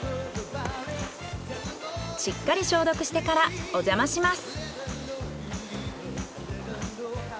しっかり消毒してからおじゃまします。